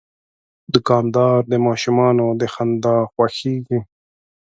دوکاندار د ماشومانو د خندا خوښیږي.